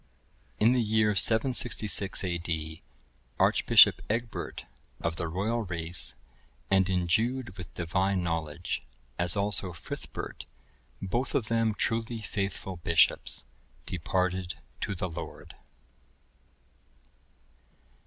(1081) In the year 766 A.D., Archbishop Egbert, of the royal race, and endued with divine knowledge, as also Frithbert, both of them truly faithful bishops, departed to the Lord.